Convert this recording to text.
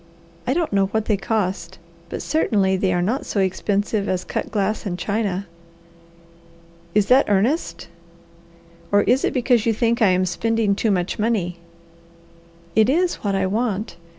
I don't know what they cost, but certainly they are not so expensive as cut glass and china." "Is that earnest or is it because you think I am spending too much money?" "It is what I want.